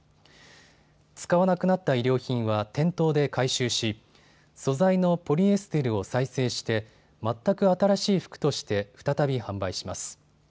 使わなくなった衣料品は店頭で回収し素材のポリエステルを再生して全く新しい服として再び販売します。